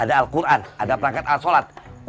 ada al quran ada perangkat al solat